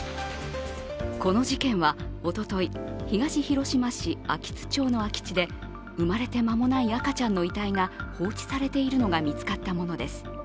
この事件はおととい、東広島市安芸津町の空き地で生まれて間もない赤ちゃんの遺体が放置されているのが見つかったものです。